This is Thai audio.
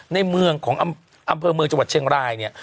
ในเมืองของอำเภอเมืองจังหวัดเชียงรายเนี่ย